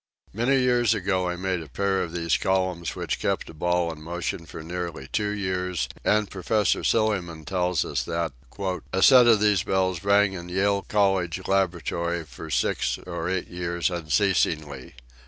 Many years ago I made a pair of these col umns which kept a ball in motion for nearly two years, and Professor Silliman tells us that "a set of these bells rang in Yale College laboratory for six or eight years unceas ingly."